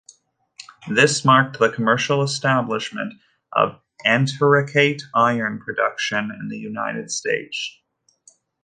This marked the commercial establishment of anthracite iron production in the United States.